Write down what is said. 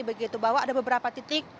begitu bahwa ada beberapa titik